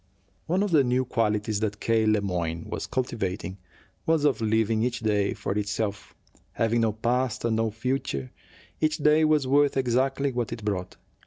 One of the new qualities that K. Le Moyne was cultivating was of living each day for itself. Having no past and no future, each day was worth exactly what it brought.